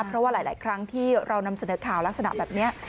เพราะว่าหลายครั้งที่เรานำเสนอข่าวลักษณะแบบนี้